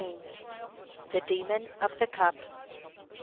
THE DEMON OF THE CUP.